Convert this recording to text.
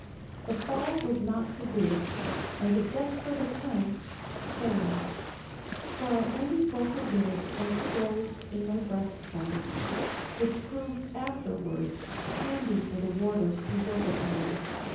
The fall was not severe, and the 'desperate attempt' failed; for I only broke a rib and stove in my breastbone, which proved afterwards handy for the warders to work upon.